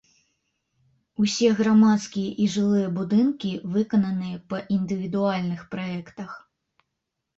Усе грамадскія і жылыя будынкі выкананыя па індывідуальных праектах.